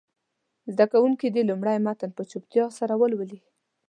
زده کوونکي دې لومړی متن په چوپتیا سره ولولي.